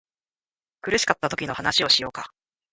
苦しかったときの話をしようか